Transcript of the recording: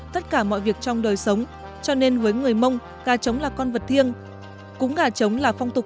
tất cả mọi việc trong đời sống cho nên với người mông gà trống là con vật thiêng cúng gà trống là phong tục